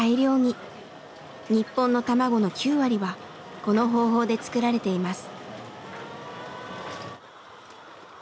日本の卵の９割はこの方法で作られています。